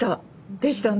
できたね。